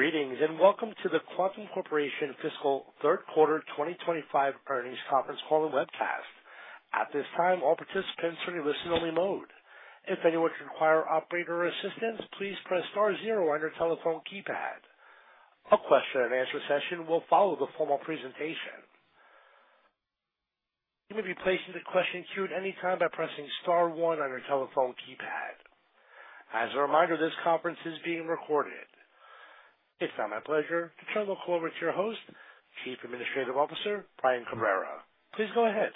Greetings and welcome to the Quantum Corporation Fiscal Third Quarter 2025 Earnings Conference Call and Webcast. At this time, all participants are in listen-only mode. If anyone should require operator assistance, please press star zero on your telephone keypad. A question-and-answer session will follow the formal presentation. You may be placed into question queue at any time by pressing star one on your telephone keypad. As a reminder, this conference is being recorded. It's now my pleasure to turn the call over to your host, Chief Administrative Officer Brian Cabrera. Please go ahead.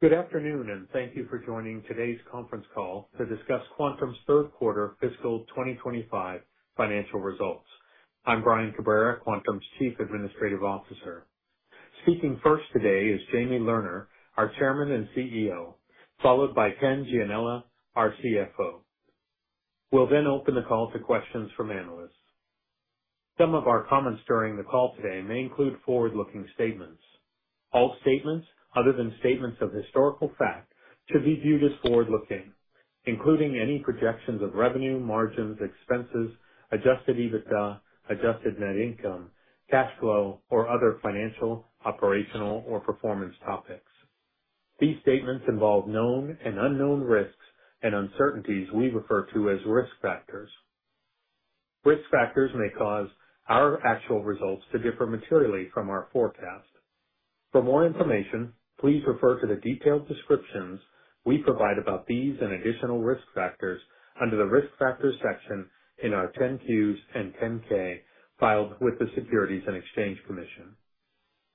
Good afternoon, and thank you for joining today's conference call to discuss Quantum's Third Quarter Fiscal 2025 financial results. I'm Brian Cabrera, Quantum's Chief Administrative Officer. Speaking first today is Jamie Lerner, our Chairman and CEO, followed by Ken Gianella, our CFO. We'll then open the call to questions from analysts. Some of our comments during the call today may include forward-looking statements. All statements, other than statements of historical fact, should be viewed as forward-looking, including any projections of revenue, margins, expenses, adjusted EBITDA, adjusted net income, cash flow, or other financial, operational, or performance topics. These statements involve known and unknown risks and uncertainties we refer to as risk factors. Risk factors may cause our actual results to differ materially from our forecast. For more information, please refer to the detailed descriptions we provide about these and additional risk factors under the risk factor section in our 10-Qs and 10-K filed with the Securities and Exchange Commission.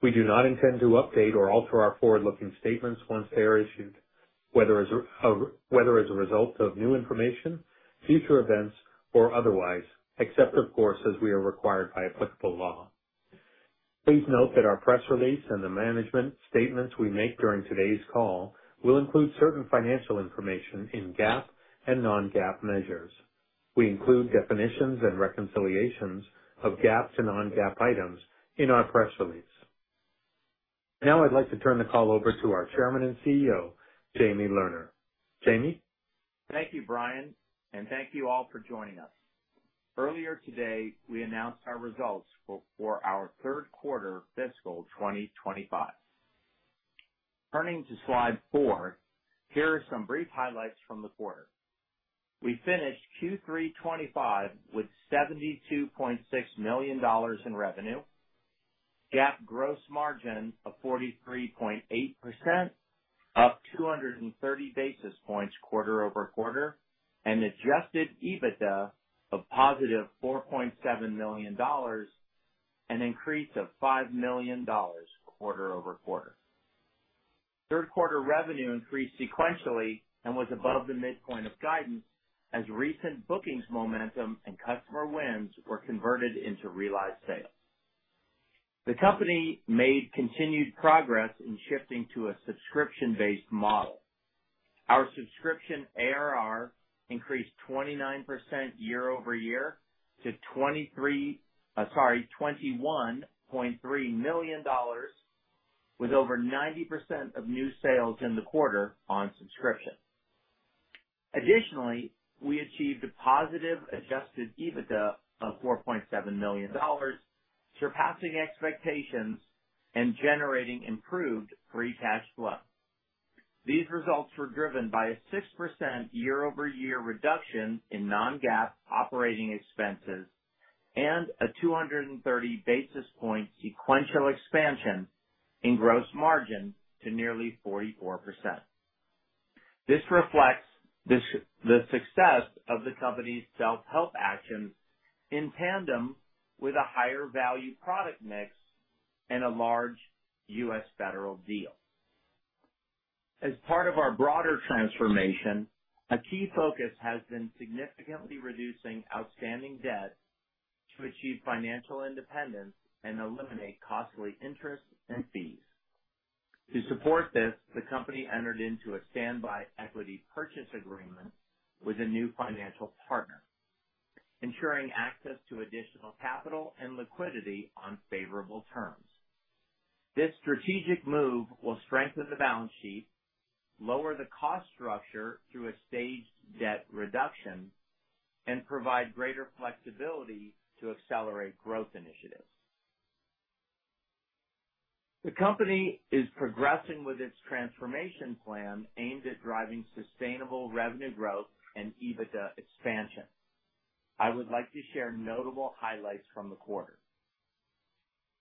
We do not intend to update or alter our forward-looking statements once they are issued, whether as a result of new information, future events, or otherwise, except, of course, as we are required by applicable law. Please note that our press release and the management statements we make during today's call will include certain financial information in GAAP and non-GAAP measures. We include definitions and reconciliations of GAAP to non-GAAP items in our press release. Now, I'd like to turn the call over to our Chairman and CEO, Jamie Lerner. Jamie? Thank you, Brian, and thank you all for joining us. Earlier today, we announced our results for our third quarter fiscal 2025. Turning to slide four, here are some brief highlights from the quarter. We finished Q3 2025 with $72.6 million in revenue, GAAP gross margin of 43.8%, up 230 basis points quarter over quarter, and adjusted EBITDA of positive $4.7 million, an increase of $5 million quarter over quarter. Third quarter revenue increased sequentially and was above the midpoint of guidance as recent bookings momentum and customer wins were converted into realized sales. The company made continued progress in shifting to a subscription-based model. Our subscription ARR increased 29% year-over-year to $21.3 million, with over 90% of new sales in the quarter on subscription. Additionally, we achieved a positive adjusted EBITDA of $4.7 million, surpassing expectations and generating improved free cash flow. These results were driven by a 6% year-over-year reduction in non-GAAP operating expenses and a 230 basis point sequential expansion in gross margin to nearly 44%. This reflects the success of the company's self-help actions in tandem with a higher value product mix and a large U.S. federal deal. As part of our broader transformation, a key focus has been significantly reducing outstanding debt to achieve financial independence and eliminate costly interest and fees. To support this, the company entered into a standby equity purchase agreement with a new financial partner, ensuring access to additional capital and liquidity on favorable terms. This strategic move will strengthen the balance sheet, lower the cost structure through a staged debt reduction, and provide greater flexibility to accelerate growth initiatives. The company is progressing with its transformation plan aimed at driving sustainable revenue growth and EBITDA expansion. I would like to share notable highlights from the quarter.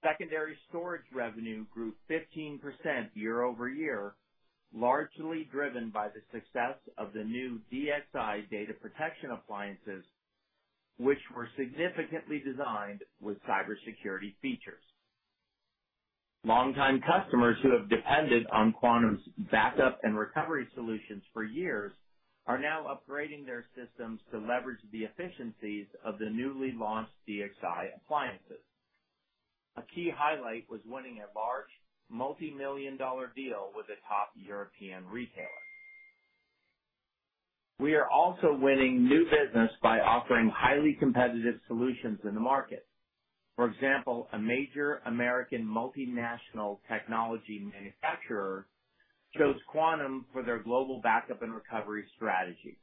Secondary storage revenue grew 15% year-over-year, largely driven by the success of the new DXi data protection appliances, which were significantly designed with cybersecurity features. Longtime customers who have depended on Quantum's backup and recovery solutions for years are now upgrading their systems to leverage the efficiencies of the newly launched DXi appliances. A key highlight was winning a large multi-million dollar deal with a top European retailer. We are also winning new business by offering highly competitive solutions in the market. For example, a major American multinational technology manufacturer chose Quantum for their global backup and recovery strategy.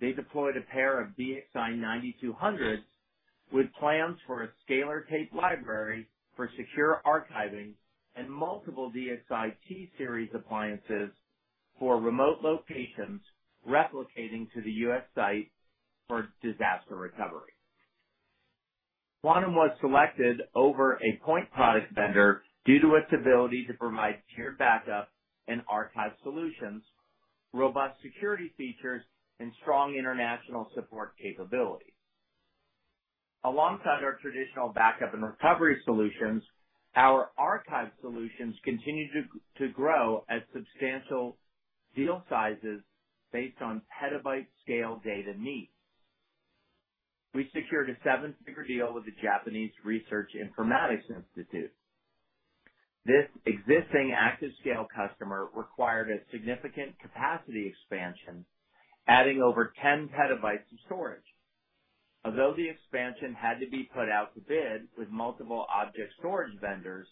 They deployed a pair of DXi 9200s with plans for a Scalar Tape Library for secure archiving and multiple DXi T series appliances for remote locations replicating to the U.S. site for disaster recovery. Quantum was selected over a point product vendor due to its ability to provide tiered backup and archive solutions, robust security features, and strong international support capabilities. Alongside our traditional backup and recovery solutions, our archive solutions continue to grow at substantial deal sizes based on petabyte-scale data needs. We secured a seven-figure deal with the Japanese Research Informatics Institute. This existing ActiveScale customer required a significant capacity expansion, adding over 10 petabytes of storage. Although the expansion had to be put out to bid with multiple object storage vendors,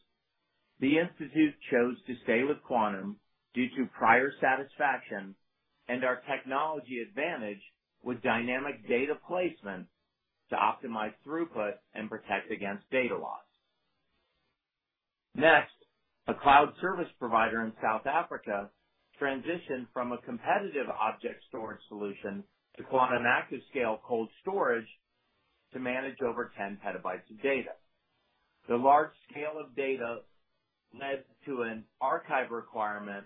the institute chose to stay with Quantum due to prior satisfaction and our technology advantage with dynamic data placement to optimize throughput and protect against data loss. Next, a cloud service provider in South Africa transitioned from a competitive object storage solution to Quantum ActiveScale cold storage to manage over 10 petabytes of data. The large scale of data led to an archive requirement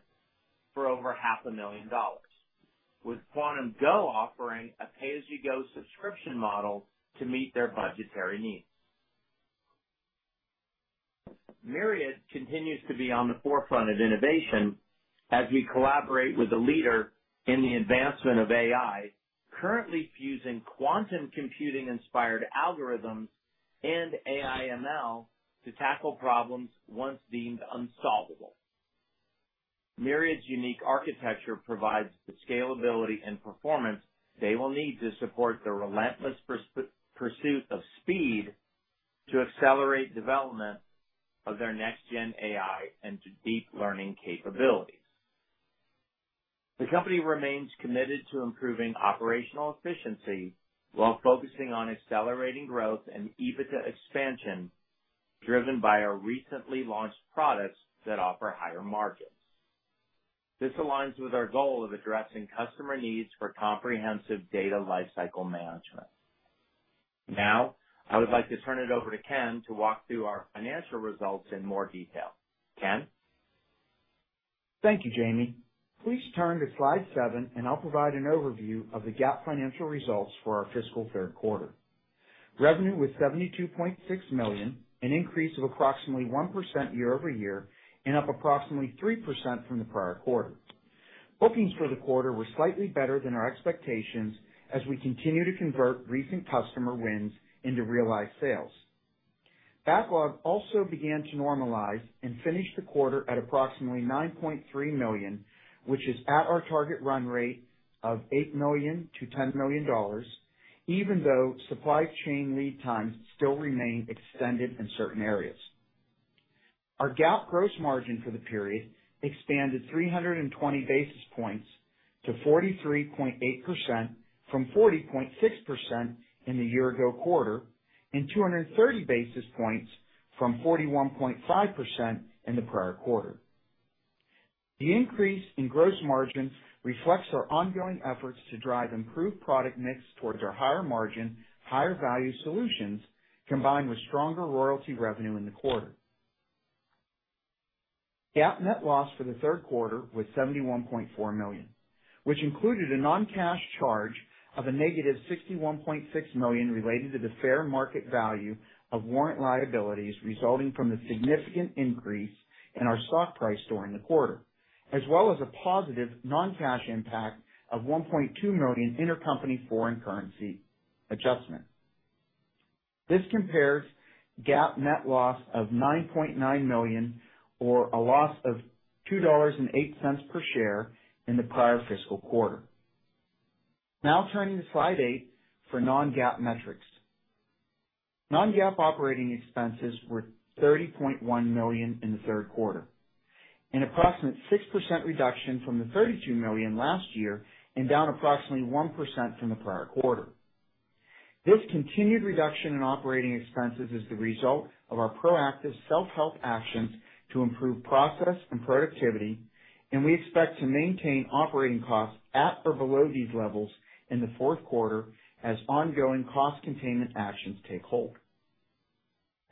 for over $500,000, with Quantum Go offering a pay-as-you-go subscription model to meet their budgetary needs. Myriad continues to be on the forefront of innovation as we collaborate with a leader in the advancement of AI, currently fusing quantum computing-inspired algorithms and AI/ML to tackle problems once deemed unsolvable. Myriad's unique architecture provides the scalability and performance they will need to support the relentless pursuit of speed to accelerate development of their next-gen AI and deep learning capabilities. The company remains committed to improving operational efficiency while focusing on accelerating growth and EBITDA expansion driven by our recently launched products that offer higher margins. This aligns with our goal of addressing customer needs for comprehensive data lifecycle management. Now, I would like to turn it over to Ken to walk through our financial results in more detail. Ken? Thank you, Jamie. Please turn to slide seven, and I'll provide an overview of the GAAP financial results for our fiscal third quarter. Revenue was $72.6 million, an increase of approximately 1% year-over-year, and up approximately 3% from the prior quarter. Bookings for the quarter were slightly better than our expectations as we continue to convert recent customer wins into realized sales. Backlog also began to normalize and finished the quarter at approximately $9.3 million, which is at our target run rate of $8 million-$10 million, even though supply chain lead times still remain extended in certain areas. Our GAAP gross margin for the period expanded 320 basis points to 43.8% from 40.6% in the year-ago quarter and 230 basis points from 41.5% in the prior quarter. The increase in gross margins reflects our ongoing efforts to drive improved product mix towards our higher margin, higher value solutions, combined with stronger royalty revenue in the quarter. GAAP net loss for the third quarter was $71.4 million, which included a non-cash charge of negative $61.6 million related to the fair market value of warrant liabilities resulting from the significant increase in our stock price during the quarter, as well as a positive non-cash impact of $1.2 million intercompany foreign currency adjustment. This compares to GAAP net loss of $9.9 million, or a loss of $2.08 per share in the prior fiscal quarter. Now, turning to slide eight for non-GAAP metrics. Non-GAAP operating expenses were $30.1 million in the third quarter, an approximate 6% reduction from the $32 million last year and down approximately 1% from the prior quarter. This continued reduction in operating expenses is the result of our proactive self-help actions to improve process and productivity, and we expect to maintain operating costs at or below these levels in the fourth quarter as ongoing cost containment actions take hold.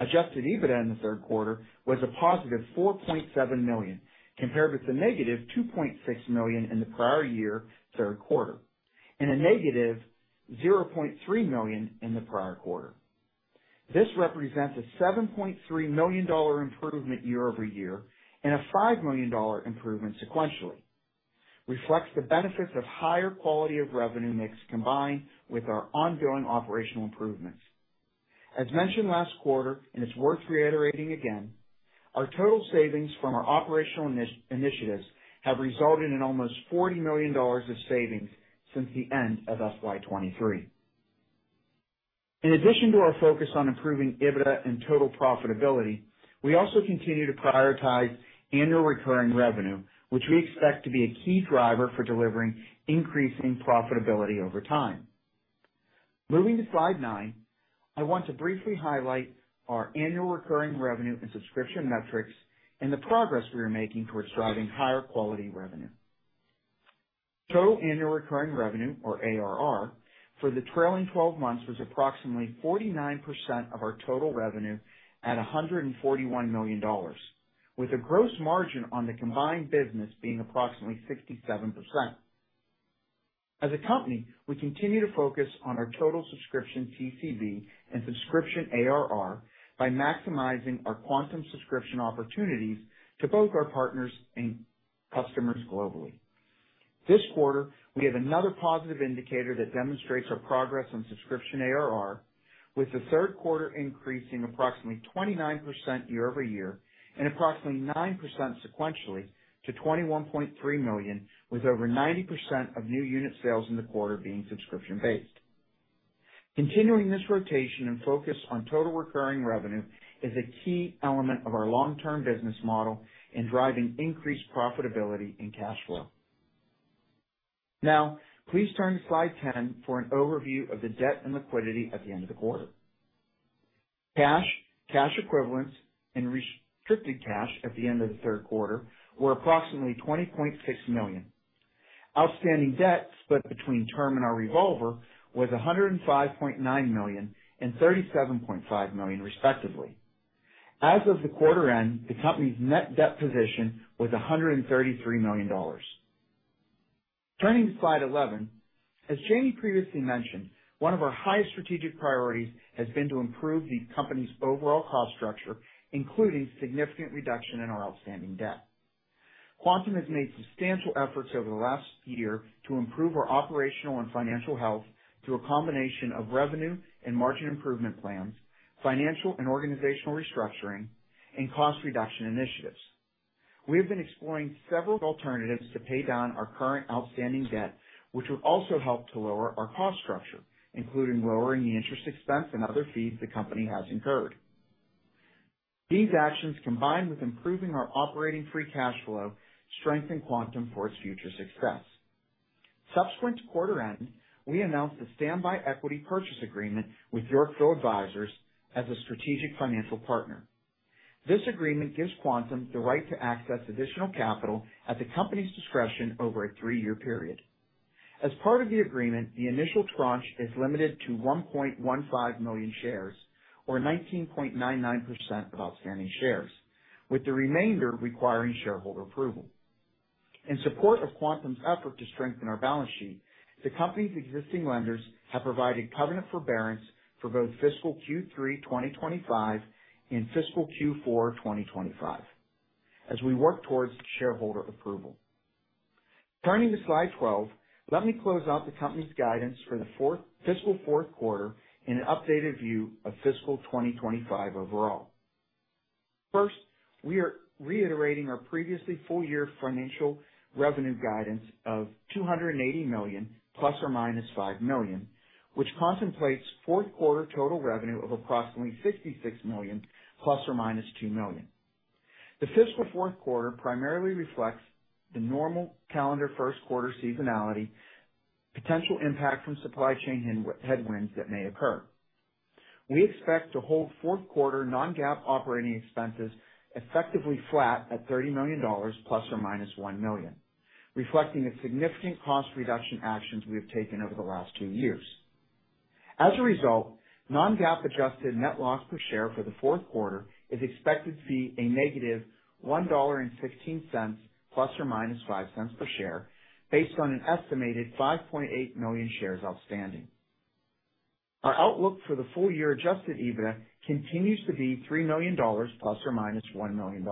Adjusted EBITDA in the third quarter was a positive $4.7 million compared with a negative $2.6 million in the prior year third quarter and a negative $0.3 million in the prior quarter. This represents a $7.3 million improvement year-over-year and a $5 million improvement sequentially. It reflects the benefits of higher quality of revenue mix combined with our ongoing operational improvements. As mentioned last quarter, and it's worth reiterating again, our total savings from our operational initiatives have resulted in almost $40 million of savings since the end of FY 2023. In addition to our focus on improving EBITDA and total profitability, we also continue to prioritize annual recurring revenue, which we expect to be a key driver for delivering increasing profitability over time. Moving to slide nine, I want to briefly highlight our annual recurring revenue and subscription metrics and the progress we are making towards driving higher quality revenue. Total annual recurring revenue, or ARR, for the trailing 12 months was approximately 49% of our total revenue at $141 million, with a gross margin on the combined business being approximately 67%. As a company, we continue to focus on our total subscription TCB and subscription ARR by maximizing our Quantum subscription opportunities to both our partners and customers globally. This quarter, we have another positive indicator that demonstrates our progress on subscription ARR, with the third quarter increasing approximately 29% year-over-year and approximately 9% sequentially to $21.3 million, with over 90% of new unit sales in the quarter being subscription-based. Continuing this rotation and focus on total recurring revenue is a key element of our long-term business model in driving increased profitability and cash flow. Now, please turn to slide 10 for an overview of the debt and liquidity at the end of the quarter. Cash, cash equivalents, and restricted cash at the end of the third quarter were approximately $20.6 million. Outstanding debt split between term and our revolver was $105.9 million and $37.5 million, respectively. As of the quarter end, the company's net debt position was $133 million. Turning to slide 11, as Jamie previously mentioned, one of our highest strategic priorities has been to improve the company's overall cost structure, including significant reduction in our outstanding debt. Quantum has made substantial efforts over the last year to improve our operational and financial health through a combination of revenue and margin improvement plans, financial and organizational restructuring, and cost reduction initiatives. We have been exploring several alternatives to pay down our current outstanding debt, which would also help to lower our cost structure, including lowering the interest expense and other fees the company has incurred. These actions, combined with improving our operating free cash flow, strengthen Quantum for its future success. Subsequent to quarter end, we announced the standby equity purchase agreement with Yorkville Advisors as a strategic financial partner. This agreement gives Quantum the right to access additional capital at the company's discretion over a three-year period. As part of the agreement, the initial tranche is limited to 1.15 million shares, or 19.99% of outstanding shares, with the remainder requiring shareholder approval. In support of Quantum's effort to strengthen our balance sheet, the company's existing lenders have provided covenant forbearance for both fiscal Q3 2025 and fiscal Q4 2025 as we work towards shareholder approval. Turning to slide 12, let me close out the company's guidance for the fiscal fourth quarter in an updated view of fiscal 2025 overall. First, we are reiterating our previously full-year financial revenue guidance of $280 million plus or minus $5 million, which contemplates fourth quarter total revenue of approximately $66 million plus or minus $2 million. The fiscal fourth quarter primarily reflects the normal calendar first quarter seasonality, potential impact from supply chain headwinds that may occur. We expect to hold fourth quarter non-GAAP operating expenses effectively flat at $30 million plus or minus $1 million, reflecting the significant cost reduction actions we have taken over the last two years. As a result, non-GAAP adjusted net loss per share for the fourth quarter is expected to be a negative $1.16 plus or minus $0.05 per share based on an estimated 5.8 million shares outstanding. Our outlook for the full-year adjusted EBITDA continues to be $3 million plus or minus $1 million,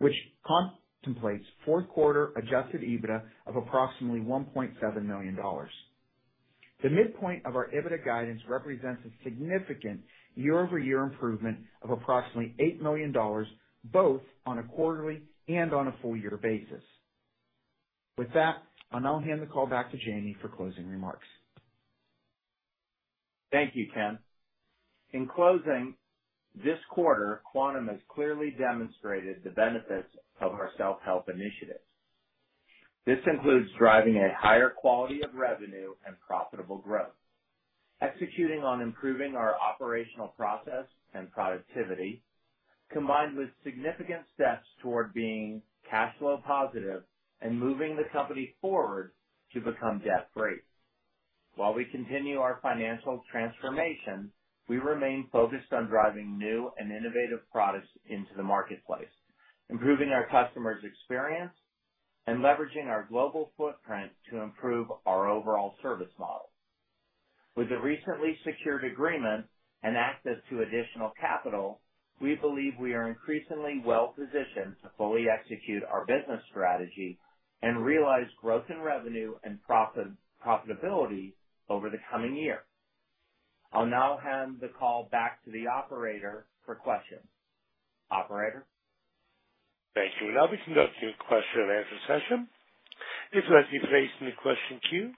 which contemplates fourth quarter adjusted EBITDA of approximately $1.7 million. The midpoint of our EBITDA guidance represents a significant year-over-year improvement of approximately $8 million, both on a quarterly and on a full-year basis. With that, I'll now hand the call back to Jamie for closing remarks. Thank you, Ken. In closing, this quarter, Quantum has clearly demonstrated the benefits of our self-help initiative. This includes driving a higher quality of revenue and profitable growth, executing on improving our operational process and productivity, combined with significant steps toward being cash flow positive and moving the company forward to become debt-free. While we continue our financial transformation, we remain focused on driving new and innovative products into the marketplace, improving our customers' experience, and leveraging our global footprint to improve our overall service model. With the recently secured agreement and access to additional capital, we believe we are increasingly well-positioned to fully execute our business strategy and realize growth in revenue and profitability over the coming year. I'll now hand the call back to the operator for questions. Operator. Thank you. Now we can go to question and answer session. If you'd like to be placed in the question queue,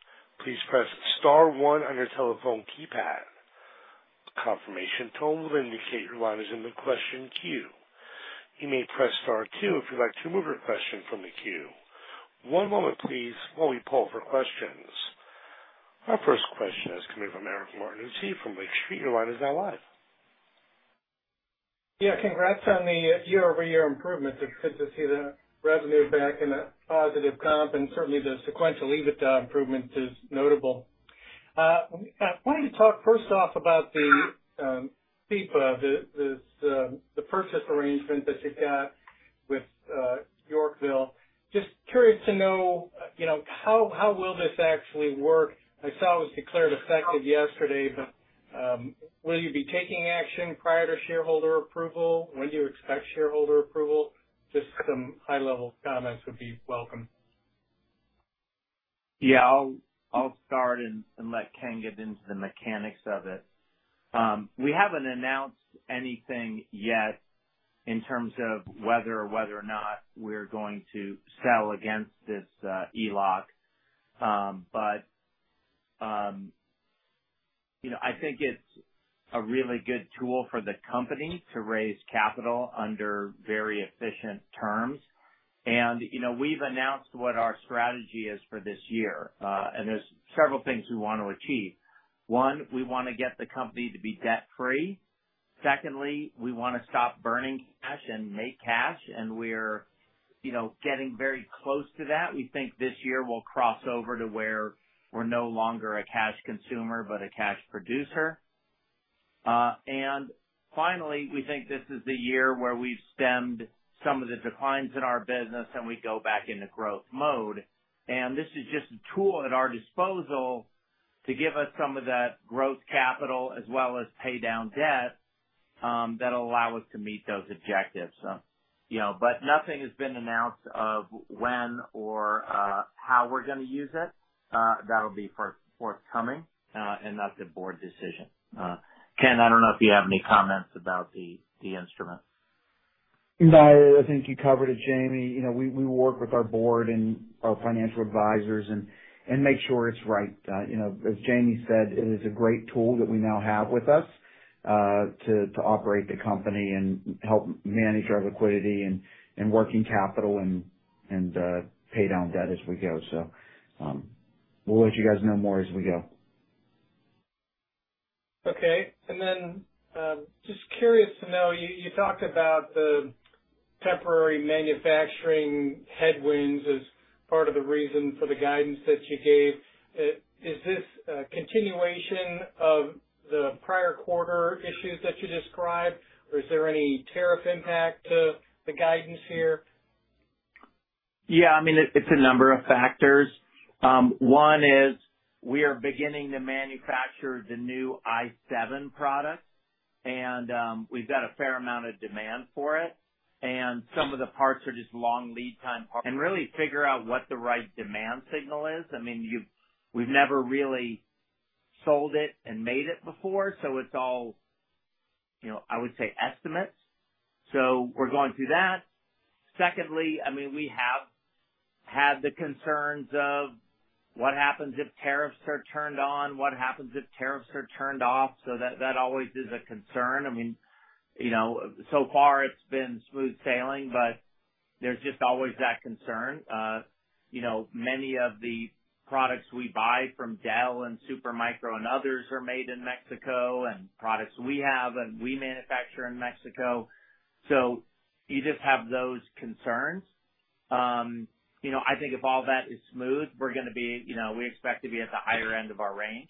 please press star one on your telephone keypad. Confirmation tone will indicate your line is in the question queue. You may press star two if you'd like to move your question from the queue. One moment, please, while we pull for questions. Our first question is coming from Eric Martinez from Lake Street. Your line is now live. Yeah, congrats on the year-over-year improvement. It's good to see the revenue back in a positive comp, and certainly the sequential EBITDA improvement is notable. I wanted to talk first off about the FIPA, the purchase arrangement that you've got with Yorkville. Just curious to know, how will this actually work? I saw it was declared effective yesterday, but will you be taking action prior to shareholder approval? When do you expect shareholder approval? Just some high-level comments would be welcome. Yeah, I'll start and let Ken get into the mechanics of it. We haven't announced anything yet in terms of whether or not we're going to sell against this ELOC, but I think it's a really good tool for the company to raise capital under very efficient terms. We've announced what our strategy is for this year, and there's several things we want to achieve. One, we want to get the company to be debt-free. Secondly, we want to stop burning cash and make cash, and we're getting very close to that. We think this year we'll cross over to where we're no longer a cash consumer but a cash producer. Finally, we think this is the year where we've stemmed some of the declines in our business and we go back into growth mode. This is just a tool at our disposal to give us some of that growth capital as well as pay down debt that'll allow us to meet those objectives. Nothing has been announced of when or how we're going to use it. That'll be forthcoming, and that's a board decision. Ken, I don't know if you have any comments about the instrument. No, I think you covered it, Jamie. We will work with our board and our financial advisors and make sure it's right. As Jamie said, it is a great tool that we now have with us to operate the company and help manage our liquidity and working capital and pay down debt as we go. We will let you guys know more as we go. Okay. Just curious to know, you talked about the temporary manufacturing headwinds as part of the reason for the guidance that you gave. Is this a continuation of the prior quarter issues that you described, or is there any tariff impact to the guidance here? Yeah, I mean, it's a number of factors. One is we are beginning to manufacture the new i7 product, and we've got a fair amount of demand for it. Some of the parts are just long lead time. Really figure out what the right demand signal is. I mean, we've never really sold it and made it before, so it's all, I would say, estimates. We're going through that. Secondly, I mean, we have had the concerns of what happens if tariffs are turned on, what happens if tariffs are turned off. That always is a concern. I mean, so far it's been smooth sailing, but there's just always that concern. Many of the products we buy from Dell and Supermicro and others are made in Mexico, and products we have and we manufacture in Mexico. You just have those concerns. I think if all that is smooth, we're going to be—we expect to be at the higher end of our range,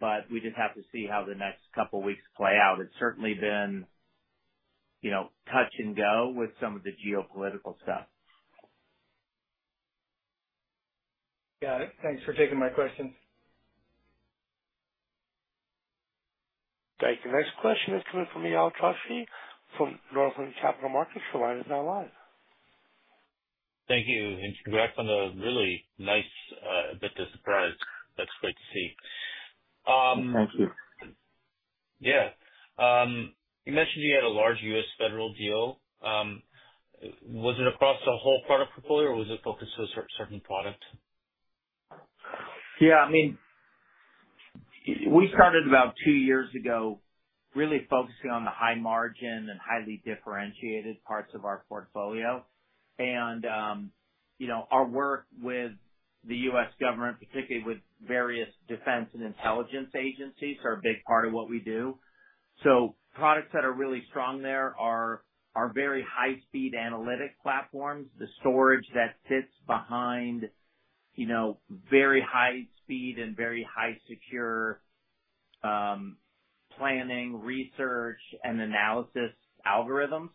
but we just have to see how the next couple of weeks play out. It's certainly been touch and go with some of the geopolitical stuff. Got it. Thanks for taking my questions. Thank you. Next question is coming from Yael Tawshiy from Northland Capital Markets. Your line is now live. Thank you. Congrats on the really nice bit to surprise. That's great to see. Thank you. Yeah. You mentioned you had a large U.S. federal deal. Was it across the whole product portfolio, or was it focused to a certain product? Yeah, I mean, we started about two years ago really focusing on the high margin and highly differentiated parts of our portfolio. Our work with the U.S. government, particularly with various defense and intelligence agencies, are a big part of what we do. Products that are really strong there are very high-speed analytic platforms, the storage that sits behind very high-speed and very high-secure planning, research, and analysis algorithms.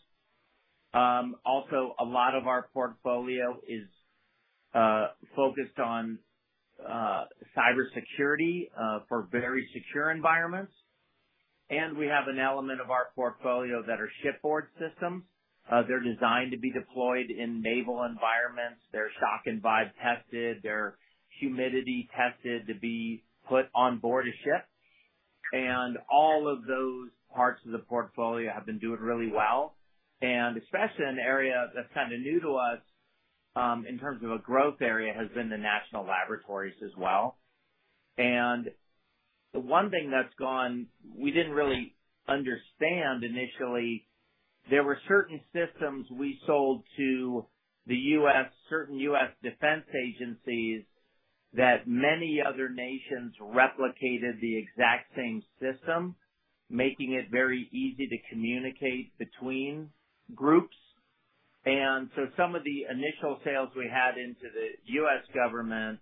Also, a lot of our portfolio is focused on cybersecurity for very secure environments. We have an element of our portfolio that are shipboard systems. They're designed to be deployed in naval environments. They're shock and vibe tested. They're humidity tested to be put on board a ship. All of those parts of the portfolio have been doing really well. Especially in an area that's kind of new to us in terms of a growth area has been the national laboratories as well. The one thing that's gone—we didn't really understand initially. There were certain systems we sold to the U.S., certain U.S. defense agencies, that many other nations replicated the exact same system, making it very easy to communicate between groups. Some of the initial sales we had into the U.S. government,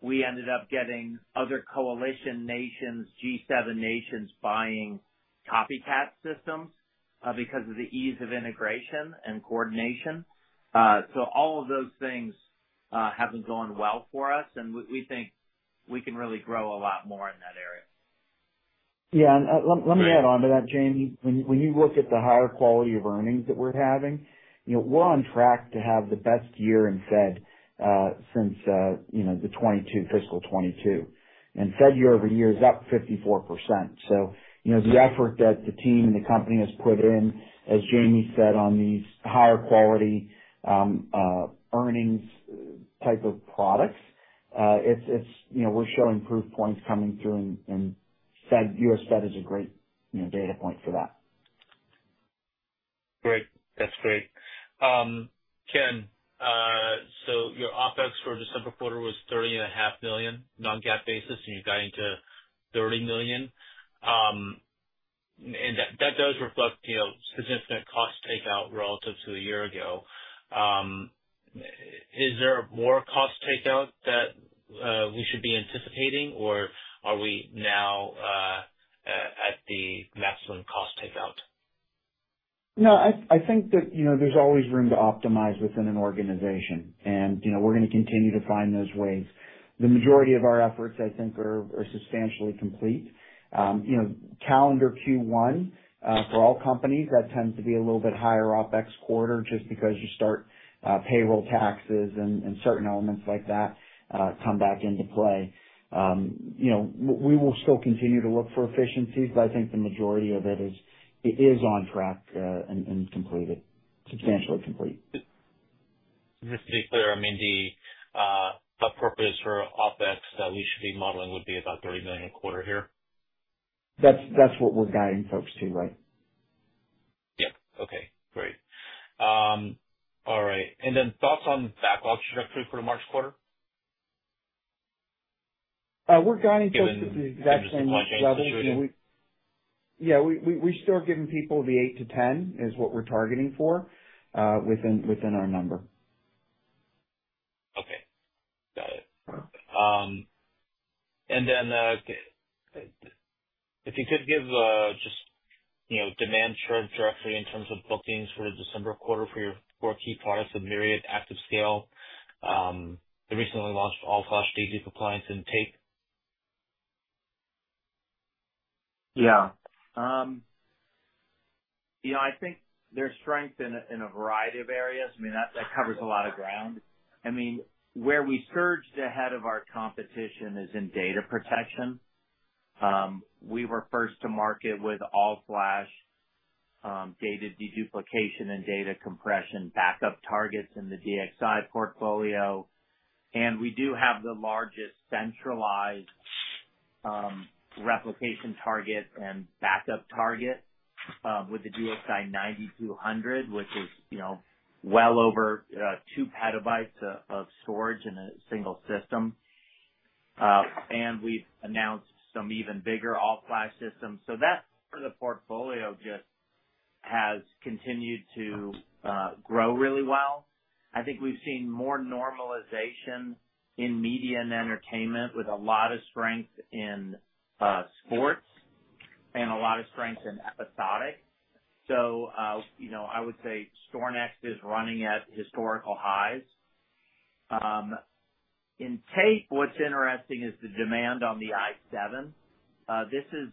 we ended up getting other coalition nations, G7 nations, buying copycat systems because of the ease of integration and coordination. All of those things have been going well for us, and we think we can really grow a lot more in that area. Yeah. Let me add on to that, Jamie. When you look at the higher quality of earnings that we're having, we're on track to have the best year in US Fed since fiscal 2022. US Fed year-over-year is up 54%. The effort that the team and the company has put in, as Jamie said, on these higher quality earnings type of products, we're showing proof points coming through, and US Fed is a great data point for that. Great. That's great. Ken, so your OpEx for December quarter was $30.5 million non-GAAP basis, and you're guiding to $30 million. That does reflect significant cost takeout relative to a year ago. Is there more cost takeout that we should be anticipating, or are we now at the maximum cost takeout? No, I think that there's always room to optimize within an organization, and we're going to continue to find those ways. The majority of our efforts, I think, are substantially complete. Calendar Q1 for all companies, that tends to be a little bit higher OpEx quarter just because you start payroll taxes and certain elements like that come back into play. We will still continue to look for efficiencies, but I think the majority of it is on track and completed, substantially complete. Just to be clear, I mean, the appropriates for OpEx that we should be modeling would be about $30 million a quarter here? That's what we're guiding folks to, right? Yeah. Okay. Great. All right. Thoughts on backlog trajectory for the March quarter? We're guiding folks with the exact same revolution. Given the launch angle that you're doing? Yeah. We're still giving people the 8-10 is what we're targeting for within our number. Okay. Got it. If you could give just demand trajectory in terms of bookings for the December quarter for your four key products, the Myriad, ActiveScale, the recently launched All-Flash, DXi, compliance intake? Yeah. I think there's strength in a variety of areas. I mean, that covers a lot of ground. I mean, where we surged ahead of our competition is in data protection. We were first to market with All-Flash data deduplication and data compression backup targets in the DXi portfolio. We do have the largest centralized replication target and backup target with the DXi 9200, which is well over two petabytes of storage in a single system. We have announced some even bigger All-Flash systems. That part of the portfolio just has continued to grow really well. I think we've seen more normalization in media and entertainment with a lot of strength in sports and a lot of strength in episodic. I would say StorNext is running at historical highs. In tape, what's interesting is the demand on the i7. This is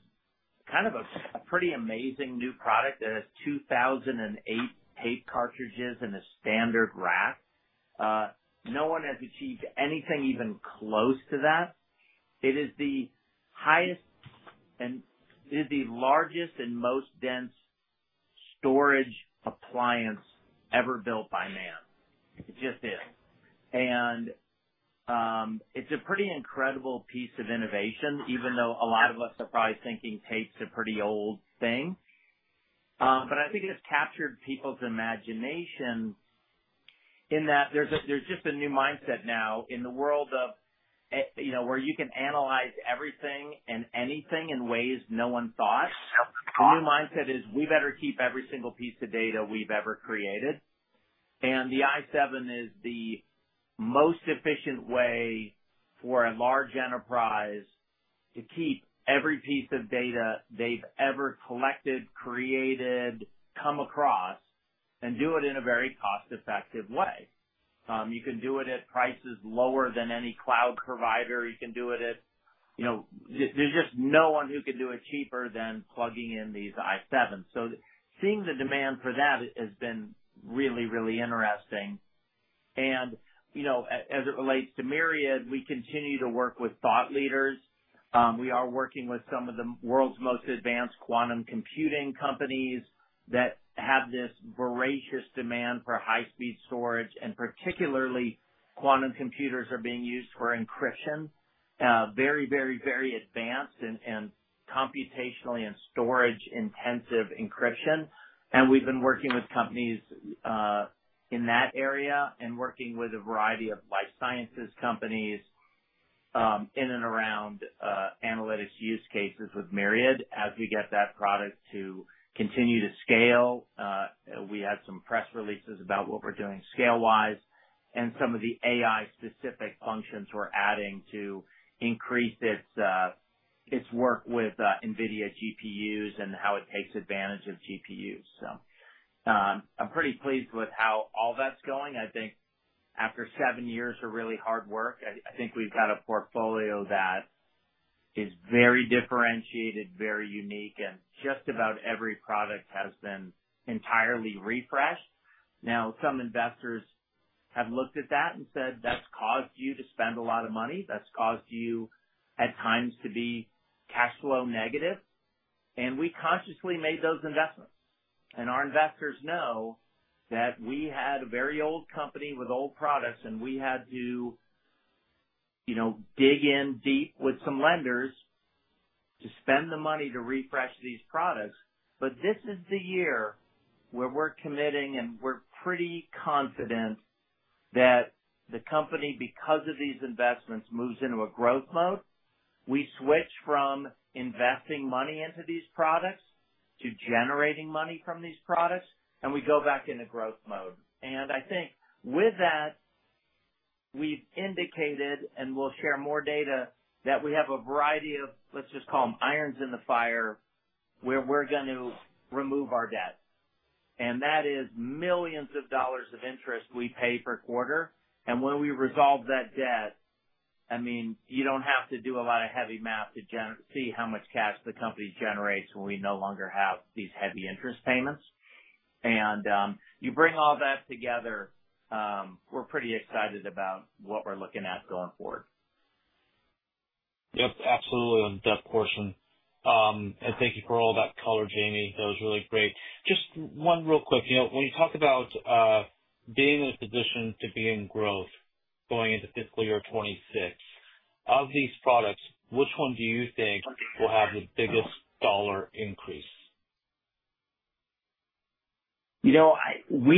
kind of a pretty amazing new product that has 2,008 tape cartridges in a standard rack. No one has achieved anything even close to that. It is the highest and it is the largest and most dense storage appliance ever built by man. It just is. It is a pretty incredible piece of innovation, even though a lot of us are probably thinking tape's a pretty old thing. I think it's captured people's imagination in that there's just a new mindset now in the world of where you can analyze everything and anything in ways no one thought. The new mindset is we better keep every single piece of data we've ever created. The i7 is the most efficient way for a large enterprise to keep every piece of data they've ever collected, created, come across, and do it in a very cost-effective way. You can do it at prices lower than any cloud provider. You can do it at there's just no one who can do it cheaper than plugging in these i7s. Seeing the demand for that has been really, really interesting. As it relates to Myriad, we continue to work with thought leaders. We are working with some of the world's most advanced quantum computing companies that have this voracious demand for high-speed storage. Particularly, quantum computers are being used for encryption, very, very, very advanced and computationally and storage-intensive encryption. We have been working with companies in that area and working with a variety of life sciences companies in and around analytics use cases with Myriad. As we get that product to continue to scale, we had some press releases about what we're doing scale-wise and some of the AI-specific functions we're adding to increase its work with NVIDIA GPUs and how it takes advantage of GPUs. I am pretty pleased with how all that's going. I think after seven years of really hard work, I think we've got a portfolio that is very differentiated, very unique, and just about every product has been entirely refreshed. Now, some investors have looked at that and said, "That's caused you to spend a lot of money. That's caused you at times to be cash flow negative." We consciously made those investments. Our investors know that we had a very old company with old products, and we had to dig in deep with some lenders to spend the money to refresh these products. This is the year where we're committing, and we're pretty confident that the company, because of these investments, moves into a growth mode. We switch from investing money into these products to generating money from these products, and we go back into growth mode. I think with that, we've indicated, and we'll share more data, that we have a variety of, let's just call them irons in the fire, where we're going to remove our debt. That is millions of dollars of interest we pay per quarter. When we resolve that debt, I mean, you don't have to do a lot of heavy math to see how much cash the company generates when we no longer have these heavy interest payments. You bring all that together, we're pretty excited about what we're looking at going forward. Yep. Absolutely on the depth portion. Thank you for all that color, Jamie. That was really great. Just one real quick. When you talk about being in a position to be in growth going into fiscal year 2026, of these products, which one do you think will have the biggest dollar increase? We do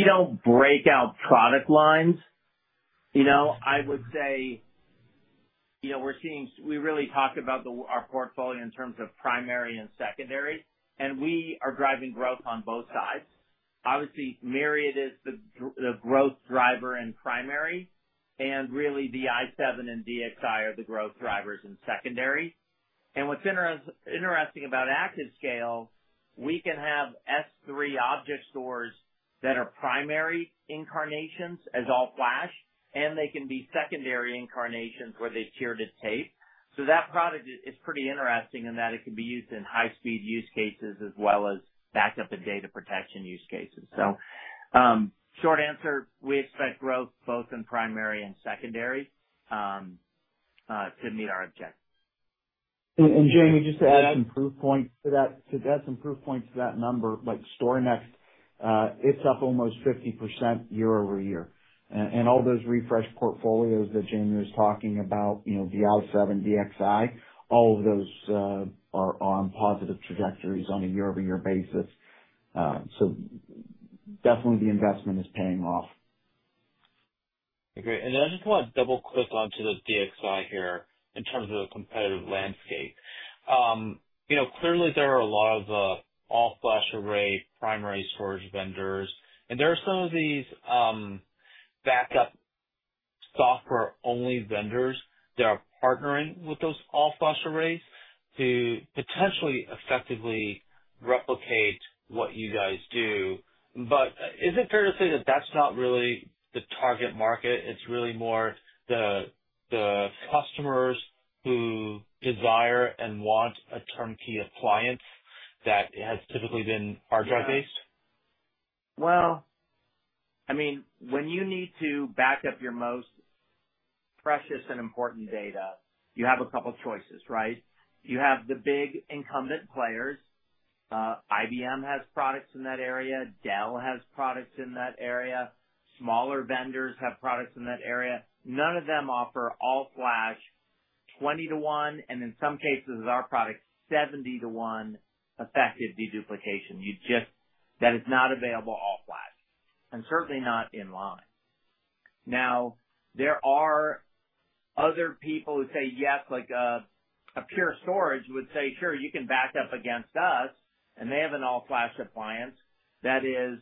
not break out product lines. I would say we really talk about our portfolio in terms of primary and secondary, and we are driving growth on both sides. Obviously, Myriad is the growth driver in primary, and really the i7 and DXi are the growth drivers in secondary. What is interesting about ActiveScale, we can have S3 object stores that are primary incarnations as All-Flash, and they can be secondary incarnations where they have tiered to tape. That product is pretty interesting in that it can be used in high-speed use cases as well as backup and data protection use cases. Short answer, we expect growth both in primary and secondary to meet our objective. Jamie, just to add some proof points to that, to add some proof points to that number, StoneX, it's up almost 50% year-over-year. All those refresh portfolios that Jamie was talking about, the i7, DXi, all of those are on positive trajectories on a year-over-year basis. Definitely the investment is paying off. Okay. Great. I just want to double-click onto the DXi here in terms of the competitive landscape. Clearly, there are a lot of All-Flash array primary storage vendors, and there are some of these backup software-only vendors that are partnering with those All-Flash arrays to potentially effectively replicate what you guys do. Is it fair to say that that's not really the target market? It's really more the customers who desire and want a turnkey appliance that has typically been hard drive-based? I mean, when you need to back up your most precious and important data, you have a couple of choices, right? You have the big incumbent players. IBM has products in that area. Dell has products in that area. Smaller vendors have products in that area. None of them offer All-Flash 20-1, and in some cases, our product 70-1 effective deduplication. That is not available All-Flash, and certainly not in line. Now, there are other people who say yes, like a Pure Storage would say, "Sure, you can back up against us," and they have an All-Flash appliance that is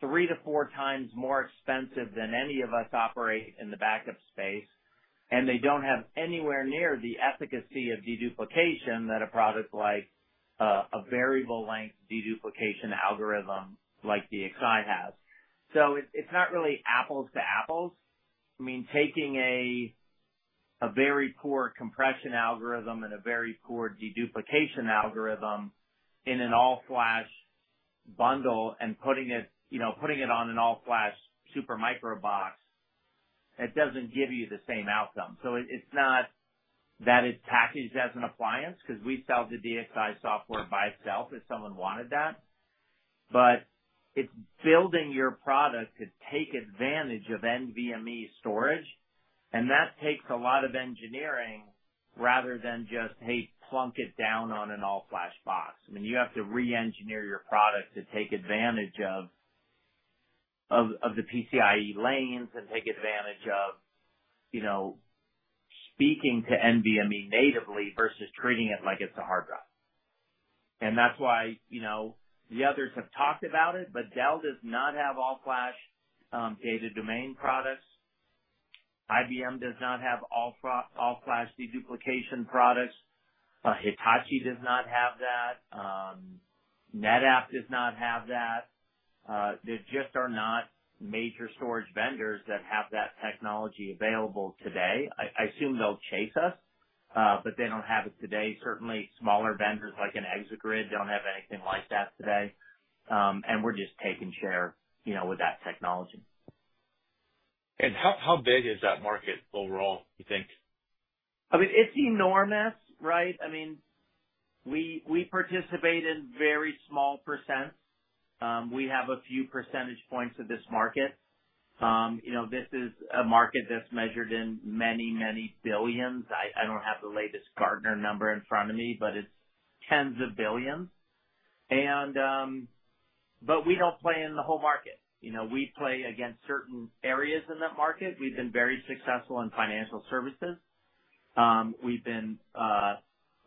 three to four times more expensive than any of us operate in the backup space, and they do not have anywhere near the efficacy of deduplication that a product like a variable-length deduplication algorithm like DXi has. It is not really apples to apples. I mean, taking a very poor compression algorithm and a very poor deduplication algorithm in an All-Flash bundle and putting it on an All-Flash Supermicro box, it does not give you the same outcome. It is not that it is packaged as an appliance because we sell the DXi software by itself if someone wanted that. It is building your product to take advantage of NVMe storage, and that takes a lot of engineering rather than just, "Hey, plunk it down on an All-Flash box." I mean, you have to re-engineer your product to take advantage of the PCIe lanes and take advantage of speaking to NVMe natively versus treating it like it is a hard drive. That is why the others have talked about it, but Dell does not have All-Flash Data Domain products. IBM does not have All-Flash deduplication products. Hitachi does not have that. NetApp does not have that. There just are not major storage vendors that have that technology available today. I assume they'll chase us, but they don't have it today. Certainly, smaller vendors like an ExaGrid don't have anything like that today. We're just taking share with that technology. How big is that market overall, you think? I mean, it's enormous, right? I mean, we participate in very small percents. We have a few percentage points of this market. This is a market that's measured in many, many billions. I don't have the latest Gartner number in front of me, but it's tens of billions. We don't play in the whole market. We play against certain areas in that market. We've been very successful in financial services. We've been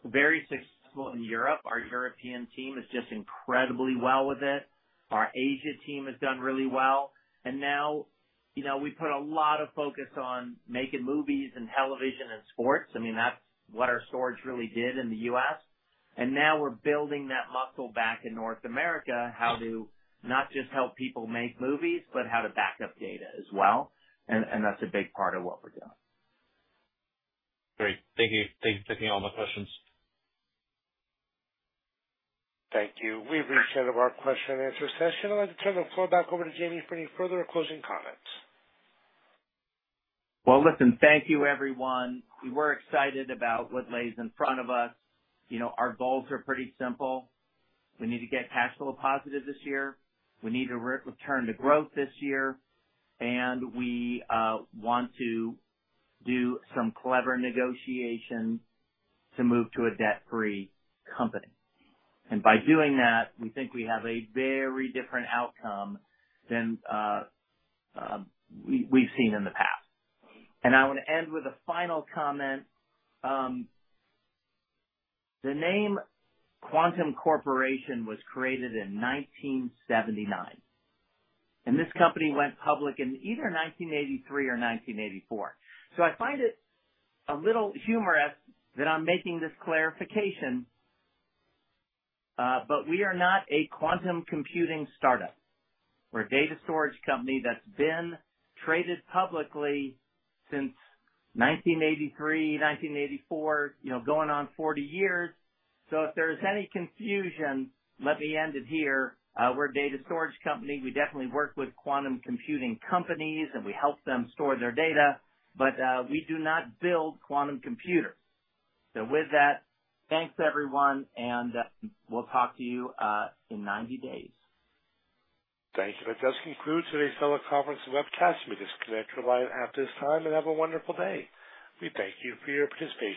very successful in Europe. Our European team is just incredibly well with it. Our Asia team has done really well. Now we put a lot of focus on making movies and television and sports. I mean, that's what our storage really did in the U.S. Now we're building that muscle back in North America, how to not just help people make movies, but how to back up data as well. That is a big part of what we're doing. Great. Thank you. Thank you for taking all my questions. Thank you. We've reached the end of our question-and-answer session. I'd like to turn the floor back over to Jamie for any further closing comments. Thank you, everyone. We were excited about what lays in front of us. Our goals are pretty simple. We need to get cash flow positive this year. We need a return to growth this year. We want to do some clever negotiation to move to a debt-free company. By doing that, we think we have a very different outcome than we've seen in the past. I want to end with a final comment. The name Quantum Corporation was created in 1979. This company went public in either 1983 or 1984. I find it a little humorous that I'm making this clarification, but we are not a quantum computing startup. We're a data storage company that's been traded publicly since 1983, 1984, going on 40 years. If there's any confusion, let me end it here. We're a data storage company. We definitely work with quantum computing companies, and we help them store their data, but we do not build quantum computers. With that, thanks, everyone, and we'll talk to you in 90 days. Thank you. That does conclude today's teleconference webcast. We will disconnect your line at this time and have a wonderful day. We thank you for your participation.